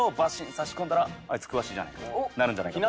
差し込んだら「あいつ詳しいじゃないか」となるんじゃないかと思って。